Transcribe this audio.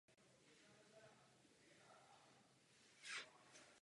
Evropský parlament by v současnosti rád tuto politiku ještě posílil.